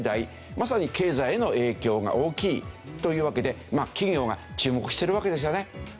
まさに経済への影響が大きいというわけで企業が注目してるわけですよね。